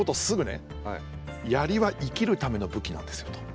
「槍は生きるための武器なんですよ」と。